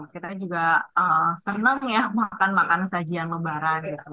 kita juga senang ya makan makan sajian lebaran gitu